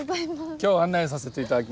今日案内させて頂きます